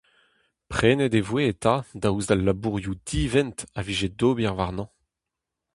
Prenet e voe eta daoust d'al labourioù divent a vije d'ober warnañ.